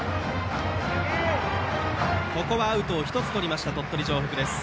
ここはアウトを１つとりました鳥取城北です。